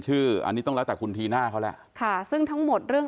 ชื่ออันนี้ต้องแล้วแต่คุณธีน่าเขาแหละค่ะซึ่งทั้งหมดเรื่อง